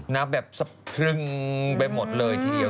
แบบสะพรึงไปหมดเลยทีเดียว